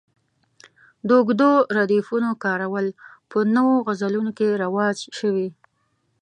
د اوږدو ردیفونو کارول په نویو غزلونو کې رواج شوي.